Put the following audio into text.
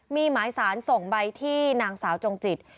มีหมายสารส่งใบที่นางสาวจงจิต